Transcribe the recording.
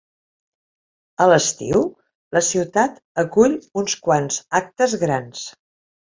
A l'estiu, la ciutat acull uns quants actes grans.